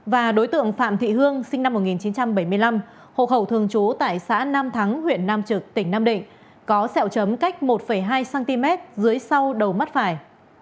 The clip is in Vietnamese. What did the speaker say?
và đối tượng phạm thị hương sinh năm một nghìn chín trăm bảy mươi năm hộ khẩu thường trú tại xã nam thắng huyện nam trực tỉnh nam định có sẹo chấm cách một hai cm dưới sau đầu mắt phải